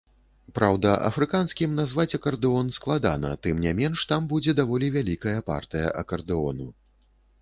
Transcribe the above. Праўда, афрыканскім назваць акардэон складана, тым не менш там будзе даволі вялікая партыя акардэону.